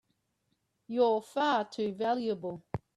You're far too valuable!